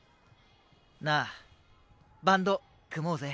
なあバンド組もうぜ。